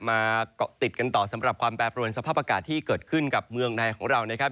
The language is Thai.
มาเกาะติดกันต่อสำหรับความแปรปรวนสภาพอากาศที่เกิดขึ้นกับเมืองไทยของเรานะครับ